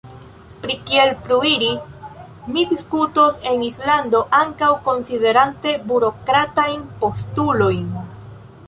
Pri kiel pluiri, ni diskutos en Islando, ankaŭ konsiderante burokratajn postulojn.